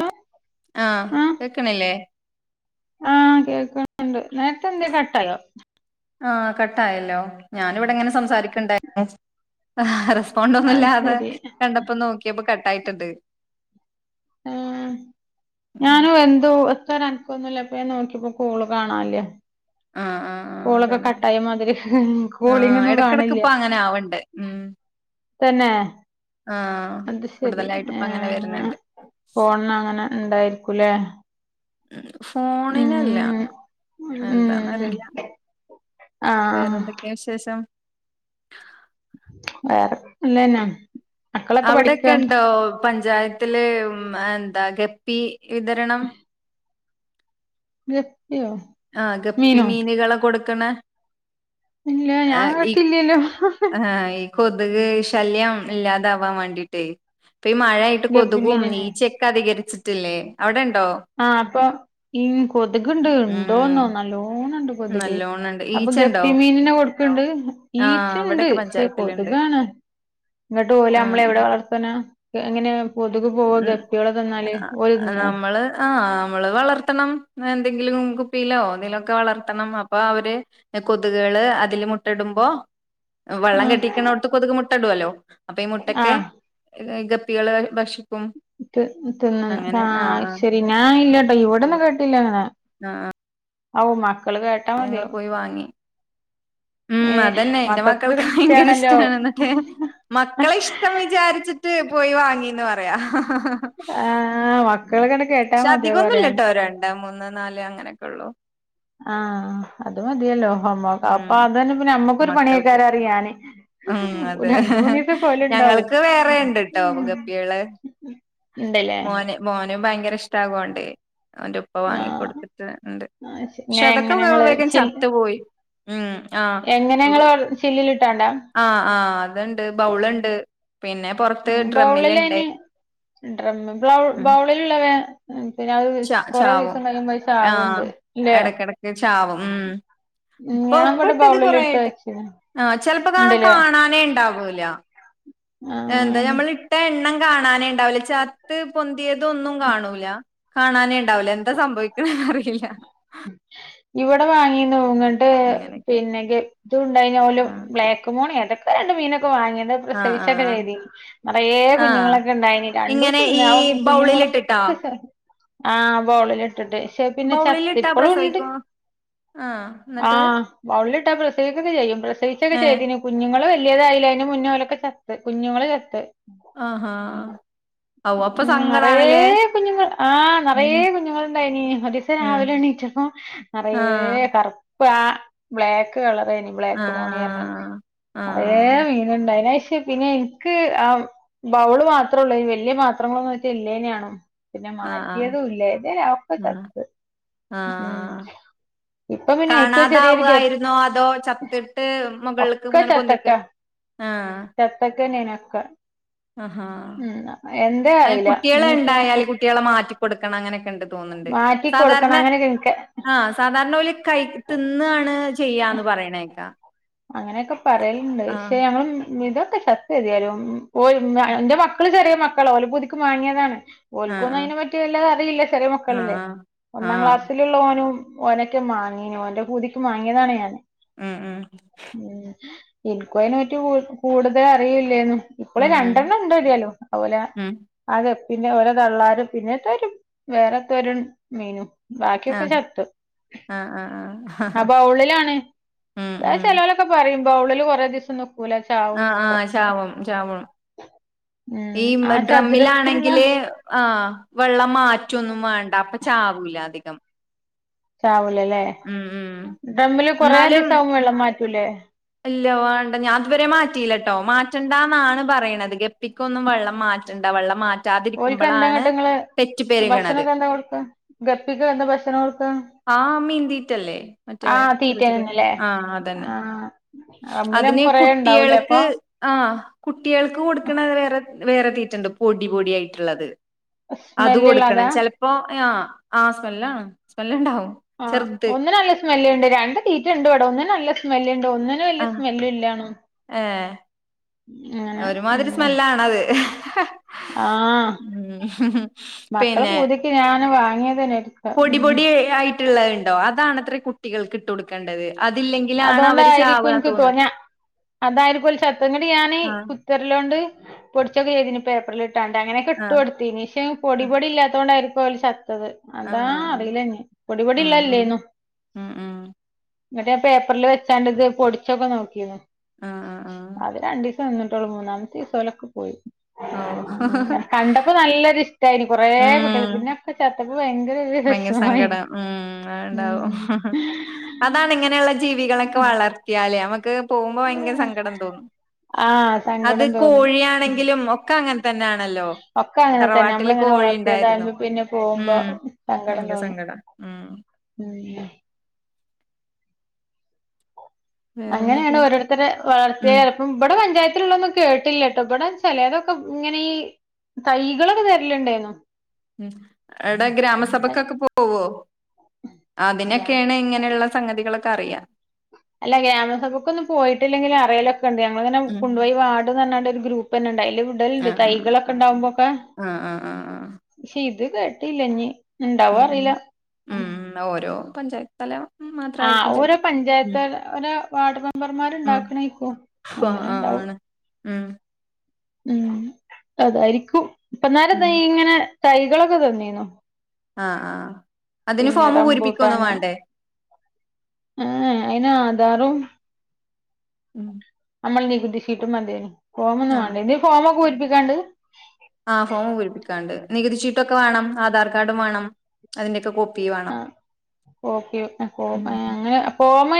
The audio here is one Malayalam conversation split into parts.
ഹലോ ആഹ് കേക്കണില്ലേ ആഹ് കേൾക്കുന്നുണ്ട് നേരത്തെ എന്ത് കട്ടായോ ആഹ് കട്ടായല്ലോ ഞാനിവിടെ അങ്ങനെ സംസാരിക്കുന്നുണ്ടാരുന്നു അത് സൗണ്ടൊന്നുമില്ലാതെ ശരി കണ്ടപ്പോ നോക്കിയപ്പോ കട്ടായിട്ടുണ്ട് ആഹ് [inaudible] ഉം ഞാനും എന്തോ ഒച്ചയും അനക്കവും ഒന്നുമില്ലാതെ അപ്പ നോക്കിയപ്പോ കോള് കാണാനില്ല ആഹ് ആഹ് ആഹ് കോളൊക്കെ അതന്നെ കട്ടായ മാതിരി ആഹ് കോളിങ്ങൊന്നും ഇടക്കിടക്ക് കാണില്ല ഇപ്പ അങ്ങനെ ആവണ്ട് ഉം തന്നെ ആഹ് അത് ശെരി കൂടുതലായിട്ട് ഇപ്പ ഏഹ് അങ്ങനെ വരുന്നുണ്ട് ഫോണ്ന്ന് അങ്ങനെ ഇണ്ടായിരിക്കുല്ലേ ഉം ഫോണിനല്ല അയ് എന്താന്ന് ഉം അറിയില്ല ആഹ് ആഹ് ക്ക്യേ വിശേഷം വേറെ നല്ലെയെന്നാന്ന് അവ്ടെയൊക്കെ ഇണ്ടോ പഞ്ചായത്തില് എന്താ ഗപ്പി വിതരണം ഗപ്പിയോ ആഹ് ഗപ്പി മീനോ മീന്കളെ കൊട്ക്ക്ണെ ഇല്ല ഞാൻ ഏഹ് ഇ കേട്ടില്ലല്ലോ അങ്ങനാ ഈ കൊതുക് ശല്യം ഇല്ലാതാവാൻ വാണ്ടീട്ടേ ഇപ്പൊ ഈ മഴയായിട്ട് ഗപ്പി കൊതുകും മീനിനെ ഈച്ചെ ക്കെ അധികാരിച്ചിട്ടില്ലേ അവ്ടെണ്ടോ ആഹ് അപ്പൊ ഉം കൊതുക് ഇണ്ട് ഉം ഉണ്ടോന്നോ നല്ലോണംണ്ട് കൊത്ക് നല്ലോണണ്ട് അപ്പൊ ഈച്ചണ്ടോ ഗപ്പി മീനിനെ കൊട്ക്ക്ണ്ട് ഈച്ച ആഹ് ഇണ്ട് ഇവിടെക്കെ പക്ഷെ പഞ്ചായത്തിലുണ്ട് കൊത്കാണ് ന്നട്ട് ഓല ആഹ് അമ്മള് എവടെ വളർ ത്ത്ണ് എങ്ങനെ കൊതുക് പോവാ ഉം ഗപ്പിയാളെ തന്നാല് ആ, ഓര് തിന്നേ നമ്മള് ആഹ് അമ്മള് വളർത്തണം എന്തെങ്കിലും കുപ്പിയിലോ എന്തേലൊക്കെ വളർത്തണം അപ്പൊ അവര് എഹ് കൊത്ക്കള് അതില് മുട്ട ഇടുമ്പോ വള്ളം ആഹ് കെട്ടിക്ക്ണോട്ത്ത് കൊതുക് മുട്ട ഇടുവല്ലോ അപ്പൊ ഈ മുട്ടക്കെ ആഹ് ഈ ഗപ്പികള് ഭക്ഷിക്കും ട്ട് തിന്ന്ണ് ആഹ് അയ് ശെരി ഞാൻ ഇല്ലാട്ടോ ഇവിടെന്നും കേട്ടിട്ടില്ലങ്ങനെ ആഹ് ആഹ് ഔ മക്കള് കേട്ടാ മതിയാവും പോയി വാങ്ങി ഉം ഏഹ് അതന്നെ ഇന്റെ മക്കൾക്ക് ഭയങ്കര ഇഷ്ടാണല്ലോ ഇഷ്ടമാണ്ന്നൊക്കെ മക്കളെ ഇഷ്ടള്ള ഇത്‌ വിചാരിച്ചിട്ട് പോയി വാങ്ങീന്ന് പറയാ ആഹ് ഉം മക്കളിങ്ങനെ കേട്ടാ പക്ഷേ മതിയാവും അധികൊന്നും പറയാന് ഇല്ലട്ടോ രണ്ട് മൂന്ന് നാല് അങ്ങനെക്കൊള്ളൂ ആഹ് അത് മതിയല്ലോ അമ്മ് അപ്പൊ ഉം അത് തന്നെ പിന്നെ ഞമ്മക്കൊരു മക്കൾക്ക് പണിയെയ്ക്കാരം പറയും ഞാന് ഉം അതെ രണ്ട് മൂന്നീസൊക്കൊ ഓല് ഇണ്ടാവും ഞങ്ങൾക്ക് വേറെ ഉണ്ട് ട്ടോ ഗപ്പികള് ഇണ്ട്ല്ലേ മോന് മോനും ഭയങ്കര ഇഷ്ടമാകോണ്ട് അവന്റെ ഉ പ്പ ആഹ് വാങ്ങികൊട്ത്ത്ട്ട്ണ്ട് ആഹ് ശെ പക്ഷെ ഇങ്ങനെ അതൊക്കെ എങ്ങനെ വേഗം ഇങ്ങള് വേഗം ചിൽ ചത്ത് പോയി ഉം ആഹ് ചില്ലില് ഇട്ടാണ്ടാ ആഹ് ആഹ് അത് ഇണ്ട് ബൗള്ണ്ട് പിന്നെ പൊറത്ത് ഉം ഡ്രമ്മിലുണ്ട് ബൗളിലയ്ന് ഉം ഡ്രമ്മ് ബൗ ഉം ബൗള് ള്ല്ള്ളത് വേം പിന്നെ അത് ച കൊറേ ചാവും ദിവസം കഴിയുമ്പോ അത് ചാവ്ണ്ട് ഇല്ലേ വേം ചാവും ഉം ഇപ്പ ഞാൻ ഇപ്പ ഇവിടെ ഇട്ടത് ബൗളിലിട്ട് കൊറേയായിട്ട് വെച്ച്ണ് ആഹ് ചെൽപ്പ കാണ ഇണ്ട്ല്ലേ കാണാനേ ഇണ്ടാവൂല ആഹ് എന്താ ഞമ്മൾ ഇട്ട എണ്ണം കാണാനേ ഇണ്ടാവൂല്ല ചത്ത് പൊന്തിയതൊന്നും കാണൂല കാണാനേ ഇണ്ടാവൂല എന്താ സംഭവിക്ക്ണ് അറിയില്ല ഇവടെ വാങ്ങിന്നു ന്നട്ട് അങ്ങനെയൊക്കെ പിന്നെ ഗ ഇതുണ്ടയ്നി ഓല് ആഹ് ബ്ലാക്ക് മോണി ഏതൊക്കോ രണ്ട് മീനൊക്കെ വാങ്ങി അത്‌ ആഹ് പ്രസവിച്ചൊക്കെ ആഹ് ആഹ് ചെയ്തിനി നിറയെ ആഹ് കുഞ്ഞുങ്ങളൊക്കെ ഇണ്ടായിനി ഇങ്ങനെ രണ്ടൂസം നിന്ന് ഈ ആ ബൗളിലിട്ടിട്ടാ കുഞ്ഞുങ്ങളൊക്കെ ച ആഹ് ആ ബൗളിലിട്ടിട്ട് പക്ഷെ അഹ് പിന്നെ ചത്ത് ബൗളിലിട്ടാ ഇപ്പളും ഉണ്ട് പ്രസവിക്കോ ആഹ് ന്നട്ട് ആഹ് ബൗളിലിട്ടാ പ്രസവിക്കൊക്കെ ചെയ്യും പ്രസവിച്ചൊക്ക ഏഹ് ചെയ്തിന് കുഞ്ഞുങ്ങള് വല്യതായില്ല അയ്ന് മുന്നേ ഓലൊക്കെ ചത്ത് കുഞ്ഞുങ്ങള് ചത്ത് ആഹ് ഹാ ഉം നിറയെ കുഞ്ഞുങ്ങൾ ആഹ് ഉം നിറയേ കുഞ്ഞുങ്ങള്ണ്ടായിനി ഒരീസം ഉം രാവിലെ എണീച്ചപ്പം നിറയെ ആഹ് കറുപ് ആ ബ്ലാക്ക് കളറേനി ആഹ് ബ്ലാക്ക് മോണിയല്ലോ ആഹ് ആഹ് അതേ ആഹ് മീനുണ്ട അയ്നേശേ പിന്നെ എനിക്ക് ആ ബൗള് മാത്രോള്ളൂഞ്ഞി വല്യ പത്രങ്ങളൊന്നുംട്ട് ഇല്ലേന്യാണു പിന്നെ ആഹ് ആഹ് മാറ്റിയതും ഇല്ല തേന് അഒക്കെ ചത്ത് ആഹ് ഉം ആഹ് ഇപ്പൊ പിന്നെ അയ്ക്ക് ചെറിയൊരു കാണാതാവു ഗപ് ആയിരുന്നോ അതോ ചത്തിട്ട് മുകൾക്ക് ഇങ്ങനെ പൊന്തിക്ക ആഹ് ചത്തക്കെ നനൊക്കെ ആഹാ ഉം എന്താ അറിയില്ല ഇനിയിപ്പോ ട്ട്യേളെ മാറ്റിക്കടുക്കണം അങ്ങനൊക്കെണ്ട് മാറ്റി സാധാരണ കൊടുക്കണം അങ്ങനൊക്കെ ഇൻക്ക് ആ സാധാരണ ഓല് കയി തിന്നാണ് ചെയ്യാന്ന് പറയണേക്കാ അങ്ങനെയൊക്കെ പറയലുണ്ട് ആഹ് പക്ഷെ ഞമ്മള് [unintelligible] ശരിയാലും [unintelligible] ന്റെ മക്കള് ചെറിയ മക്കളോ ഓല പുതുക് മാങ്ങിയതാണ് ആഹ് ഓൽക്കുന്നയ്നെ പറ്റി വല്ലാത അറിയില്ല ചെറിയ ആഹ് മക്കളല്ലേ ആഹ് ഒന്നാം ആഹ് ക്ലാസ്സി യുള്ള ഓനും ഓനൊക്കെ മാങ്ങീഞേ ഓന്റെ പൂതിക്ക് വാങ്ങിയതാണ് ഞാൻ ഉം ഉം ഉം ഇൻക്കു അയ്നെ പറ്റി കൂടുതൽ അറിയില്ലാനു ഇപ്പള ഉം ഉം രണ്ടെണ്ണം ഇണ്ടരിയാലോ അഉപോലെ ഉം അതെ പിന്നെ ഓരോ തള്ളാരും പിന്നെത്തര വേറെത്ത ഒരു മീനും ബാക്കിയൊക്കെ ആഹ് ചത്ത് ആഹ് ആഹ് ആഹ് ആ ബൗളിലാണ് ഉം ഉം ചെലവലൊക്കെ പറയും ബൗളില് കുറെേ ദിവസം നിക്കൂലാ ആഹ് ആഹ് ചാവും ചാവും ഉം ഈ ആ മെ ചതുരത്തിലുള്ള ഡ്രമ്മിലാണെങ്കില് ആഹ് വെള്ളം മാറ്റൊന്നും വേണ്ട അപ്പൊ ചാവൂല അധികം ചാവൂലല്ലേ ഉം ഉം ഡ്രമ്മില് കൊറെ എന്നാലും ദിവസാകുമ്പം വെള്ളം മാറ്റൂല്ലേ ഇല്ല വേണ്ട ഞാൻ ഇതുവരെ മാറ്റിയില്ലട്ടോ മാറ്റണ്ടന്നാണ് പറിയിണത് ഗപ്പി ക്കൊന്നും വെള്ളം മാറ്റണ്ട വെള്ളം മാ ഒൽക്കന്താങ്ങട്ടെങ്ങള് പെരുകണത് ഭക്ഷണോക്കെന്താ കൊടുക്കാ ഗപ്പിക് എന്താ ഭക്ഷണം കൊടുക്കാ ആ മീൻ തീറ്റല്ലേ മറ്റേ ആ ചെറിയ ചെറിയ തീറ്റന്നെല്ലേ ആഹ് അതന്നെ ആ അതിന് ഡ്രമ്മിലാവുമ്പോ കൊറേ ഇണ്ടാവൂലേ കുട്ട്യേൾക്ക് അപ്പൊ ആ കുട്ടികൾക്ക് കൊടുക്കണ വേറെ വേറെ തീറ്റണ്ട് പൊടി പൊടി ആയിട്ടുള്ളത് അത് കൊടുക്കണം സ്മെല്ല്ള്ളതാ ചെലപ്പോ ആഹ് ആഹ് സ്മെല്ലാണ് സ്മെല്ല്ണ്ടാവും ആഹ് ചെറുത് ഒന്ന്നല്ല സ്മെല്ല്ണ്ട് രണ്ട് തീറ്റണ്ട് ഇവിട ഒന്ന്നല്ല സ്മെല്ണ്ട് ഒന്ന് ന്നിന്നു ആ വല്യ സ്മെല്ല്ല്ലാണു ഒരുമാതിരി ഉം സ്മെല്ലാണത് ആ ഉം പിന്നെ ക്ക്യാന് വാങ്ങിയതന്നെ പൊടി പൊടി ആയിട്ടുള്ളഹ്ണ്ടോ അതാണത്ര കുട്ടികൾക്ക് ട്ടൊടുക്കേണ്ടത് അതില്ലെങ്കിലാണ് അവര് ചാവ തോന്ന് അതടിപൊളി ഷർട്ടന്നെ എന്നിട്ട് ഞാന് ആഹ് കുക്കർലോണ്ട് പൊടിച്ചൊക്കെ ചെയ്തിന് പേപ്പറിലിട്ട് കിട്ടാണ്ട് അങ്ങനേക്ക ആഹ് ഇട്ടുകൊടുത്തീനീ ശേ പൊടി ആഹ് പൊടി ഇല്ലാത്തോണ്ടായിരിക്കും ഓല് ചത്തത് അതാ ആഹ് ആഹ് അറില്ലാര്ന്നു പൊടി പൊടി ഉം ഉം ഇള്ളല്ലേന്നു. ഉം ഉം. എന്നിട്ട് പേപ്പറിൽ വെച്ചാണ്ട് ഇത് പൊടിച്ചൊക്കെ നോക്കീനു ഉം ഉം ഉം അവര് രണ്ടീസേ നിന്നിട്ടൊള്ളു മൂന്നാമത്തേസം ഓരൊക്കെ പോയി. ഓ ഇപ്പ നല്ലൊരു ഇഷ്ട്ടായിന് കൊറേ കുട്ടിയള് പിന്നൊക്ക ചത്തപ്പ ഭയങ്കര ഭയങ്കര വെശമായി സങ്കടം ഉം അത്ണ്ടാവും ഉം. അതാണ് ഇങ്ങനെയുള്ള ജീവികളൊക്കെ വളർത്തിയാല് നമക്ക് പോവുമ്പോ ഭയങ്ക സങ്കടം തോന്നും ആഹ് അത് സങ്കടം തോന്നും കോഴിയാണെങ്കിലും ഒക്ക അങ്ങന തന്നാണല്ലോ ഒക്ക അങ്ങന തന്നാ നമ്മള് ഇങ്ങനെ ഉണ്ടായിരുന്നു വളർത്തിയതായിര്ന്ന് പിന്നെ പോവുമ്പോ ഉം സങ്കടം ഭയങ്കര തോന്നും സങ്കടാ ഉം ഉം. അങ്ങനെയാണ് വേറെന്തൊക്കെയാ ഓരോര്ത്തരെ വളർത്തിയെ ഉം ചെല ഇപ്പം ഇബടെ പഞ്ചായത്തിലുള്ളൊന്നും കേട്ടില്ലാട്ടോ ഇബടെ ചെലതൊക്ക ഇങ്ങനെ ഈ തൈകളൊക്കെ തെരലുണ്ടായിര്ന്നു. ഉം അവ്ടെ ഗ്രാമസഭക്കൊക്കെ പോവോ ഞാൻ അതിനൊക്കാണ് ഇങ്ങനുള്ള സംഗതികളൊക്കറിയാ. അല്ല ഗ്രാമസഭക്കൊന്നും പോയിട്ടില്ലെങ്കിലും അറിയലൊക്കെണ്ട് ഞങ്ങളിങ്ങനെ ഉം കൊണ്ടുപോയി വാർഡ്ന്ന്റഞ്ഞാണ്ട് ഒരു ഗ്രൂപ്പ് തന്നെണ്ട് അതില് വിടല്ണ്ട് ആഹ് തൈകളൊക്കെ ഇണ്ടാവുമ്പോക്കെ. ആഹ് ആഹ് ആഹ് ആഹ് ആഹ് പക്ഷ ഇത് കേട്ടില്ലെഞ്ഞി ഇണ്ടാവോ ഉം അറിയില്ല. ഉം ഉം ഓരോ പഞ്ചായ ആ ഓരോ പഞ്ചായത്ത് ഒരോ വാർഡ് ഉം മെമ്പർമാരിണ്ടാക്കണായിക്കും ആഹ് ആഹ് അങ്ങനെണ്ടാവും. ആണ് ഉം. ഉം അതായിരിക്കും ഇപ്പന്നേരം ഉം ഇതാ ഇങ്ങനെ തൈകളൊക്കെ തന്നീനു. അ ആ അതിന് ഫോം പൂരിപ്പിക്കൊന്നും വേണ്ടേ? ഏ അയിനാധാറും ഉം. നമ്മളെ നികുതി ശീറ്റും മതി ഫോമൊന്നും ആഹ് വേണ്ട ഇനി ഫോമൊക്കെ പൂരിപ്പിക്കാണ്ട് ആ ഫോം പൂരിപ്പിക്കാണ്ട് നികുതി ചീട്ടൊക്കെ വേണം ആധാർ കാർഡും വേണം. അതിന്റേക്കെ കോപ്പീ വേണം ആഹ് ഉം അപ്പൊ ഫോമ്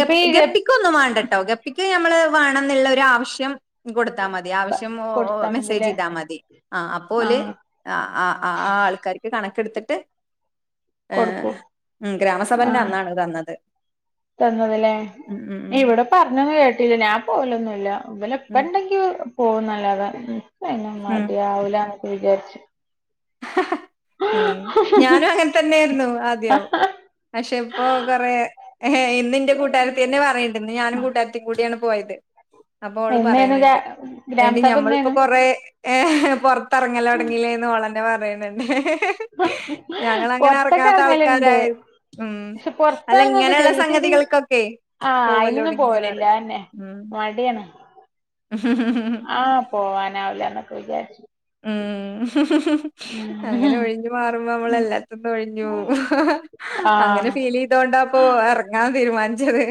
ഇപ്പ ഈ നിക്കൊന്നും വേണ്ടാട്ടോ ഗപ്പിക്ക് ഞമ്മള് വേണന്നുള്ളൊര് ആവിശ്യം. കൊടുത്താ മതി ആവശ്യം ഓ കൊടുത്താ മതില്ലേ മെസ്സേജെയ്താൽ മതി ആ അപ്പോല് ആഹ് ആ ആ ആ ആൾക്കാർക്ക് കണക്കെടുത്തിട്ട് ഏഹ്‌ കൊടുക്കും ഉം ഗ്രാമസഭേന്റെ ആഹ് അന്നാണ് തന്നത്. തന്നതല്ലേ ഉം ഉം ഇവിടെ പറഞ്ഞത് കേട്ടില്ലേ ഞാൻ പോലൊന്നുല്ല. ഉം ഉം ഓലെപ്പണ്ടെങ്കി പോന്നല്ലാതെ എനിക്ക്‌ ഉം മടിയാവൂല എന്നൊക്കെ വിചാരിച്ച് ഉം ഞാനും അങ്ങനതന്നാര്ന്നു ആദ്യം പക്ഷെ ഇപ്പോ കൊറേ ഏഹ് ഇന്ന് എന്റെ കൂട്ടാരത്തി തന്നെ പറയിണ്ട് ഇന്ന് ഞാനും കുട്ടാര്ത്തി കൂടിയാണ് പോയത്. അപ്പോള് എന്നേനു ഗ്രാ പറയ്ന്നുണ്ട് എടീ ഗ്രാമസഭ ഞമ്മളിപ്പോ എന്നേനു കൊറേ ഏഹ്‌ പൊറത്തെറങ്ങലൊടങ്ങീല്ലേന്ന് ഓളെന്നെ പറയ്ന്ന്ണ്ട് ഞങ്ങളങ്ങന പൊറത്തൊക്കെ എറങ്ങാത്ത എറങ്ങല്ണ്ട് ആൾക്കാരായി ഉം പക്ഷെ അല്ല പൊറത്തെറങ്ങൊക്കെ ഇങ്ങനെയുള്ള ചെയ്യും പക്ഷെ സംഗതികൾക്കൊക്കെ ആഹ് അയിനൊന്നും പോവലില്ല പോവലോടങ്ങിന്നറിയ. അതെന്നെ മടിയാണ്. ഉ ഹ ഹ! പോവാനാവില്ല എന്നൊക്കെ വിചാരി ഉം അങ്ങനെ ഉം ഒഴിഞ്ഞു മാറുമ്പോ നമ്മള് എല്ലാത്തിന്നും ഒഴിഞ്ഞു പോവും. അങ്ങനെ ആഹ് ഫീൽ ചെയ്തോണ്ട അപ്പൊ ഇറങ്ങൻ തീരുമാനിച്ചത്.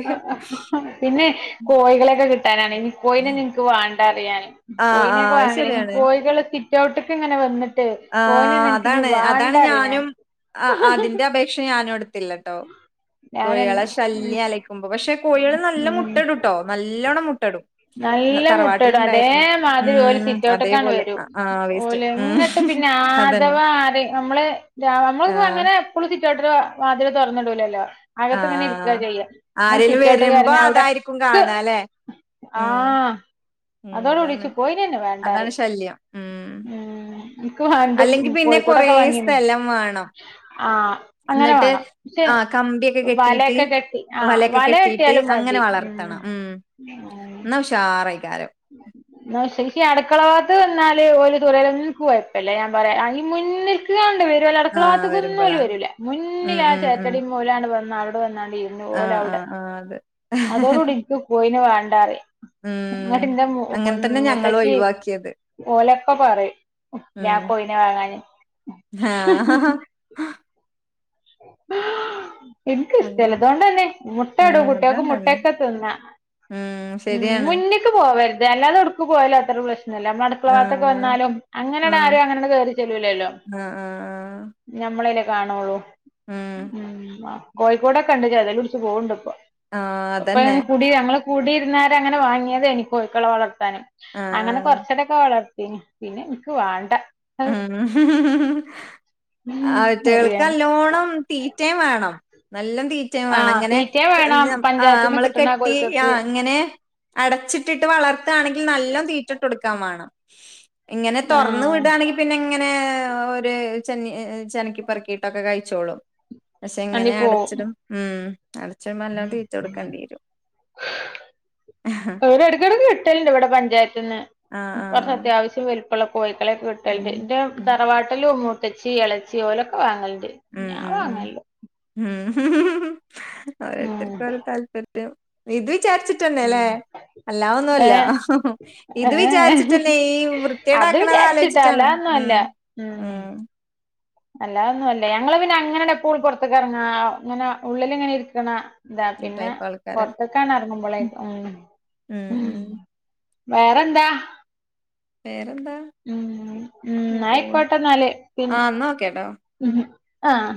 പിന്നെ കോഴികളൊക്കെ കിട്ടാനാണ് ഇനി കോഴിനൊക്കെ നിക്ക് വേണ്ട അറിയ ഞാൻ ആഹ് ആഹ് കോഴിനൊക്കെ അത് വാങ്ങേനി ഈ ശരിയാണ് കോഴികള് സിറ്റ് ഔട്ടൊക്കെ ഇങ്ങനെ വന്നിട്ട് കോഴിനെ ആഹ് ഒന്നും എനിക്കിഞ്ഞി അതാണ് അതാണ് വാണ്ടാറിയും ഞാനും ഞാന് അതിന്റെ അപേക്ഷ ക്ഷെ ഞാനും എടുത്തില്ല ട്ടോ ഞാന് കോഴികളെ ശല്യം അലക്കുമ്പോ പക്ഷെ കോഴികൾ നല്ല ഉം മുട്ടടു ട്ടോ നല്ലോണം മുട്ട ഇടും നല്ല മുട്ടയിടും തറവാട്ടിൽണ്ടായിരുന്നു അതേമാതിരി ഓല് ഉം സിറ്റൗട്ട്ക്കാണ്ട് അതേപോലെ ആഹ് വേസ്റ്റ് ഉം അതന്നെ ആധവ ആര നമ്മള് ആ നമ്മളിപ്പോ അങ്ങനെ എപ്പോളും സിറ്റൗട്ടിൽ വാതിൽ തുറന്നിടുടൂലല്ലോ ആ അകത്ത്ങ്ങനെ ഇരിക്കുക ചെയ്യ ഇങ്ങന ആരേലും സിറ്റോട്ട് വരുമ്പോ കറങ്ങ അതായിരിക്കും അവിടക്ക് കാണാ അല്ലെ ഉം ആഹ് ഉം അതോട് കുടി അതാണ് ഇച്ച് കോയിനന്നെ വേണ്ടാറി അതാണ് ശല്യം ഉം ഉം അനക്ക് വാണ്ടും അല്ലെങ്കി പിന്നെ കൊറേ കോഴിക്കൂടൊക്കെ വാങ്ങിന്ന് സ്ഥലം വേണം ആഹ് അങ്ങനെ എന്നിട്ട് വേണം ആ കമ്പിയൊക്കെ കെട്ടിയിട്ട് വലയൊക്കെ കെട്ടി ആ വലയൊക്കെ വല കെട്ടിയിട്ട് കെട്ടിയാലും അങ്ങനെ മതി ഉം വളർത്തണം ഉം എന്നാ ഉഷാറെക്കാരം ഉം [unintelligible] ഞാൻ പറയാം ഈ മുന്നില് ഇതാണ്ട് വരും അല്ല ആ അടക്കളാഗത്തക്ക ഒന്ന പോല വരുമ്പളാ വരൂലേ ഉം മുന്നിൽ ആ ഉം ഉം ചേറ്റടി പോലാണ്ട് വന്ന അവിടെ വന്നാണ്ട് പോലെ ആഹ് അവിടെ ആഹ് ആഹ് അതെ അതോടുകൂടി ഇനി കോയിനെ വേണ്ടാറിം ഉം എന്നിട്ട്ന്റെ അങ്ങനെ തന്നെ ഞങ്ങളും മുത്തച്ചി ഒഴിവാക്കിയത് ഓലക്കെ പറയും ഞാ കോയിനെ വാങ്ങാന് ആഹ ആഹ് ഇൻക്ക് ഇഷ്ടല്ല അങ്ങനെ അതുകൊണ്ടന്നെ മുട്ടട ഉം കുട്ടികൾക്ക് അതുകൊണ്ടന്നെ മുട്ടക്കെ തിന്നാ ഉം ഉം ശരിയാണ് മുന്നേക്ക് പോകരുത് അല്ലാതെ ഔടുക്കും പോയാലോ അത്ര പ്രശ്നമല്ല നമ്മൾ അടുക്കള ഭാത്തൊക്കെ ആഹ് വന്നാലും അങ്ങനെയട ആഹ് ആരും അങ്ങനെ കയറി ചെല്ലൂല്ലല്ലോ ആഹ് ആഹ് ആഹ് ഞമ്മളലേ കാണുള്ളൂ ഉം ഉം ആഹ് കോഴിക്കോടൊക്കെ ഉണ്ട് ചതൽ പുടിച്ച പോവണ്ട് ഇപ്പ ആഹ് ഇപ്പൊ അതന്നെ കൂടി ഞങ്ങ കൂടിരുന്നരെ അങ്ങനെ വാങ്ങിയത് എനി കോഴികളെ ള വളർത്താനും ആഹ് അങ്ങനെ ആഹ് കുറച്ച ക്കെ വളർത്തിനി പിന്നെ എനിക്ക് വേണ്ട ഉം അറിയാന് അവറ്റകൾക്ക്ല്ലോണം തീറ്റയും വേണം നല്ല തീറ്റ വേണം ആഹ് അങ്ങനെ തീറ്റയും വേണം ആ പഞ്ചായത്ത്ന്ന് നമ്മള് കിട്ടണ കെട്ടി ആ കോഴിക്കക്ക് അങ്ങനെ അടച്ചിട്ടിട്ട് വളർത്തുകയാണെങ്കിൽ നല്ല തീറ്റിട്ട് കൊടുക്കാൻ വേണം ഇങ്ങനെ തുറന്ന് ആഹ് വിടവാണെങ്കിൽ പിന്നെ ഇങ്ങനെ ഒരു ചെെന്ന ചനക്കിപ്പറക്കിയിട്ടൊക്കെ കഴിച്ചോളൂ പക്ഷെ അണ്ടി എങ്ങനെ പോവും അടച്ചിടും ഉം അടച്ചിടുമ്പോ നല്ലോം തീറ്റ കൊടുക്കേണ്ടി വരും ക്കിടക്ക് കിട്ടലുണ്ട് ഇവിടെ പഞ്ചായത്തന്ന് ആ ആ അത്യാവശ്യ ച്ച വലുപ്പുള്ള കോഴിക്കളൊക്കെ കിട്ടലുണ്ട് ഉം ഇന്റെ തറവാട്ടൽ മൂത്തച്ചി ഇളച്ചി ഓലൊക്കെ വാങ്ങലുണ്ട് ഉം ഉം ഉം ഓരോരുത്തർക്കും ഓരോ താല്പര്യം ഇത് വിചാരി [unintelligible] ച്ചിട്ട ഇഷ്ട്ടവില്ല അല്ല ഉം അല്ലാ ഒന്നും അല്ല ഏ ഇത് ഏ വിചാരിച്ചിട്ട് തന്നെ ഈ വൃ - അത് കേടാക്കണത് വിചാരിച്ചിട്ടാ ആലോചിച്ചിട്ടാണ് അല്ലാതൊന്നും അല്ല ഉം ഉം ആഹ് അല്ലാതൊന്നും അല്ല ഞങ്ങള് പിന്നെ എപ്പോ പൊറത്തേക്ക് എറങ്ങുവാ ഇങ്ങനെ ഉള്ളിൽ ഇങ്ങനെ ഇരിക്കണ- ഇല്ല ഈ പിന്നെ ടൈപ്പ് ആൾക്കാരാ പൊറത്തെക്കാൻ ഇറങ്ങുമ്പോളേ ഉം ഉം വേറെ എന്താ പേര് എന്താ ഉ ഉ നായക്ക പാ [unintelligible] ട്ടന്നാല് പിന്ന ആ എന്നാ ഓക്കേട്ടോ ആഹ